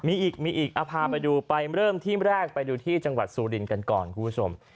มีอีกมีอีกเอาพาไปดูไปเริ่มที่แรกไปดูที่จังหวัดสุรินทร์กันก่อนคุณผู้ชม